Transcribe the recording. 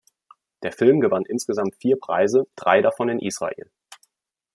Der Film gewann insgesamt vier Preise, drei davon in Israel.